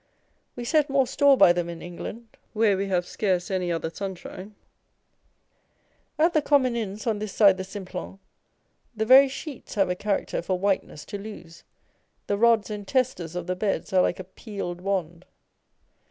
We set more store by them in England, where we have scarce any other sunshine ! At the common inns on this side the Simplon, the very sheets have a character for whiteness to lose : the rods and testers of the beds are like a peeled wand.